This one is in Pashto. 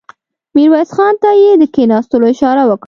ميرويس خان ته يې د کېناستلو اشاره وکړه.